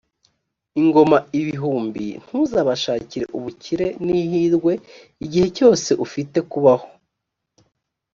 ingoma ibihumbi ntuzabashakire ubukire n’ihirwe igihe cyose ufite kubaho.